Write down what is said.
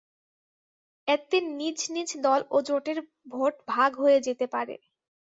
এতে নিজ নিজ দল ও জোটের ভোট ভাগ হয়ে যেতে পারে।